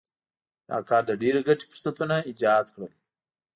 دا کار د ډېرې ګټې فرصتونه ایجاد کړل.